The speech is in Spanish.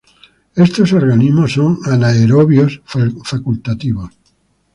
Estos organismos son anaerobios facultativos.